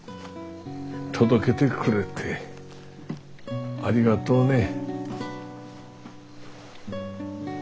届けてくれてありがとうね。